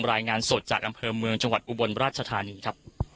รายงานสดจากอำเภอเมืองจังหวัดอุบลราชธานีครับ